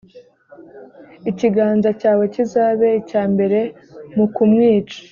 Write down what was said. ikiganza cyawe kizabe icya mbere mu kumwica,